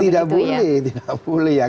tidak boleh tidak boleh ya